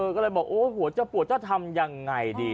ก็เลยบอกโอ้หัวจะปวดจะทำยังไงดี